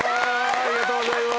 おめでとうございます。